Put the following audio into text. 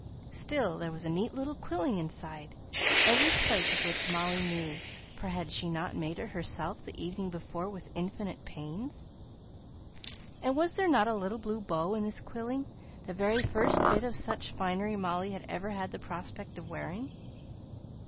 Still, there was a neat little quilling inside, every plait of which Molly knew, for had she not made it herself the evening before, with infinite pains? and was there not a little blue bow in this quilling, the very first bit of such finery Molly had ever had the prospect of wearing?